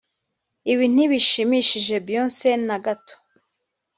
ibi ntibishimishe Beyonce na gato